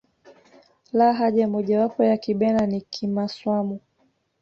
lahaja moja wapo ya kibena ni kimaswamu